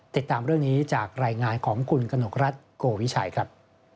ติดตามเรื่องนี้จากรายงานของคุณกนกรัฐโกวิชัยครับ